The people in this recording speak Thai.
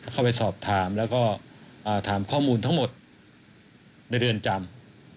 เข้าไปสอบถามแล้วก็ถามข้อมูลทั้งหมดในเรือนจำ